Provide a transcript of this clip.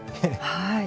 はい。